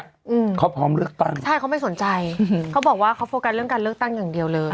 อืมเขาพร้อมเลือกตั้งใช่เขาไม่สนใจอืมเขาบอกว่าเขาโฟกัสเรื่องการเลือกตั้งอย่างเดียวเลย